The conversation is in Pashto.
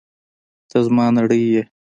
ته زما نړۍ یې!